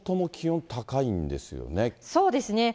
そうですね。